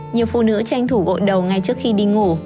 nhiều phụ nữ tranh thủ gội đầu ngay trước khi đi ngủ